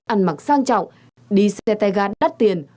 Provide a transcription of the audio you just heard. ăn mặc sang trọng đi xe tay ga đắt tiền